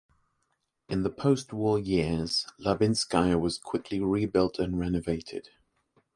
In the post-war years, Labinskaya was quickly rebuilt and renovated.